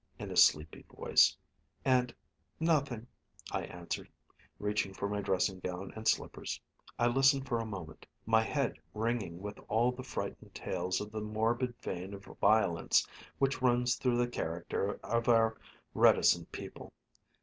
in a sleepy voice, and "Nothing," I answered, reaching for my dressing gown and slippers. I listened for a moment, my head ringing with all the frightened tales of the morbid vein of violence which runs through the character of our reticent people.